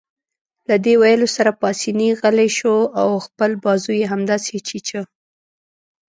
له دې ویلو سره پاسیني غلی شو او خپل بازو يې همداسې چیچه.